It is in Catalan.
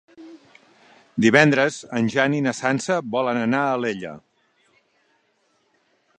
Divendres en Jan i na Sança volen anar a Alella.